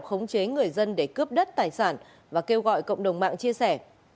khống chế người dân để cướp đất tài sản và kêu gọi cộng đồng mạng chia sẻ